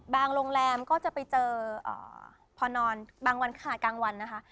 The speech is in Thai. โรงแรมก็จะไปเจอพอนอนบางวันค่ะกลางวันนะคะ